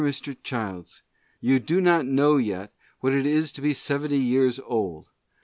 My Dear Mr. Childs— You do not know yet, what it is to be seventy years old.